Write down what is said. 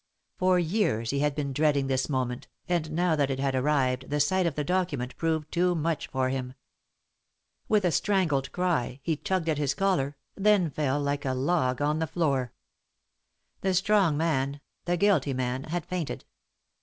For years he had been dreading this moment, and now that it had arrived the sight of the document proved too much for him. With a strangled cry he tugged at his collar, then fell like a log on the floor. The strong man, the guilty man, had fainted.